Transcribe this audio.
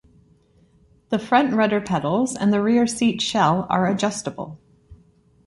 The front rudder pedals and the rear seat shell are adjustable.